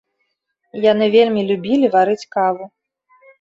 Яны вельмі любілі варыць каву.